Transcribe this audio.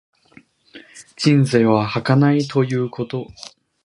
人生は儚いということ。